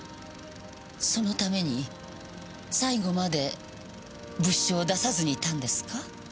そのために最後まで物証を出さずにいたんですか？